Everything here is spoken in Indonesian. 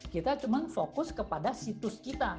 kita cuma fokus kepada situs kita